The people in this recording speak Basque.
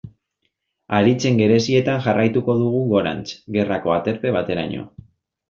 Haritzen gerizetan jarraituko dugu gorantz, gerrako aterpe bateraino.